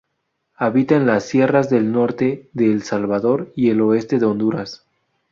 Habita en las sierras del norte de El Salvador y el oeste de Honduras.